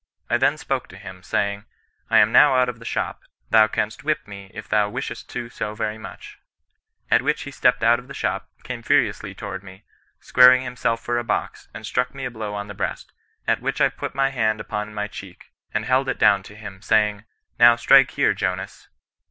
I then spoke to him, saying, I am now out of the shop, thou canst whip me if thou wishest to so yeiT much ; at which he stepped out of the shop, came mriously towards me, squaring himself for a box, and struck me a blow on the breast, at which I put mj hand upon my cheek, and held it down to him, saying, now stnke here, Jonas.